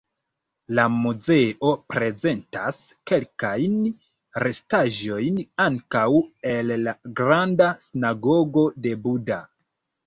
La muzeo prezentas kelkajn restaĵojn ankaŭ el la "granda sinagogo de Buda".